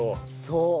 そう。